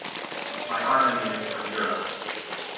My harmony is from Europe.